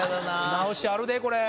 直しあるでこれ。